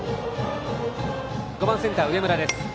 ５番センター、上村です。